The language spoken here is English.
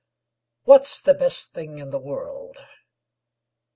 What's the best thing in the world?